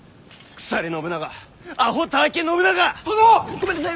ごめんなさい！